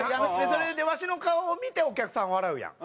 それでワシの顔を見てお客さんは笑うやん。